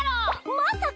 まさか！